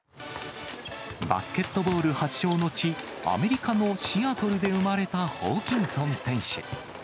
バスケットボール発祥の地、アメリカのシアトルで生まれたホーキンソン選手。